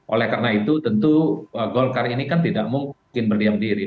oleh karena itu tentu golkar ini kan tidak mungkin berdiam diri